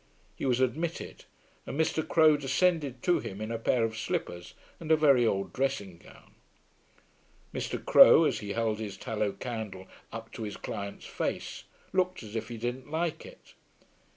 He was admitted, and Mr. Crowe descended to him in a pair of slippers and a very old dressing gown. Mr. Crowe, as he held his tallow candle up to his client's face, looked as if he didn't like it.